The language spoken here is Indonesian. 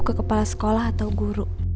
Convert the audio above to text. ke kepala sekolah atau guru